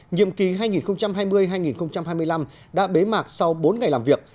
nhiệm kỳ hai nghìn hai mươi hai nghìn hai mươi năm đã bế mạc sau bốn ngày làm việc